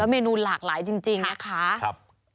เมนูหลากหลายจริงนะคะ